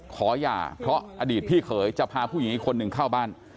หย่าเพราะอดีตพี่เขยจะพาผู้หญิงอีกคนหนึ่งเข้าบ้าน